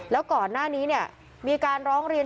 แล้วก่อนหน้านี้มีการร้องเรียน